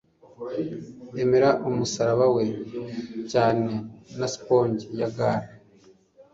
emera umusaraba we cyane na sponge ya gall